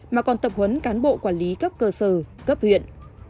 mà còn tập huấn cán bộ quản lý cấp cơ sở cấp huyện